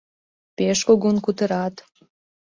— Пеш кугун кутырат.